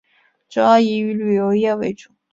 主要以旅游业为主。